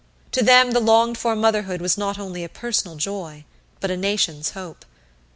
To them the longed for motherhood was not only a personal joy, but a nation's hope.